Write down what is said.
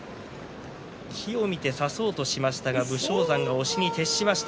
機を見て差そうとしましたが武将山、押しに徹しました。